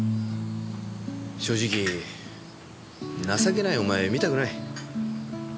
正直情けないお前は見たくない。